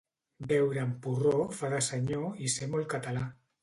Beure amb porró fa de senyor i ser molt català.